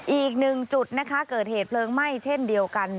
อีกหนึ่งจุดนะคะเกิดเหตุเพลิงไหม้เช่นเดียวกัน